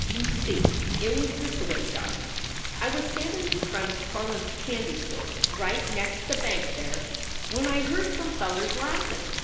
"You see, it was thisaway, Doc. I was standin in front of Parlin s candy store right next the bank there, when I heard some fellers laughin